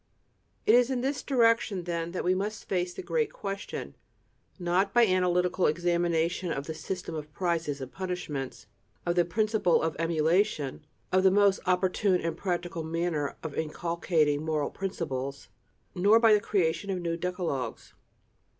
It is in this direction, then, that we must face the great question, not by analytical examination of the system of prizes and punishments, of the principle of emulation, of the most opportune and practical manner of inculcating moral principles, nor by the creation of new decalogues.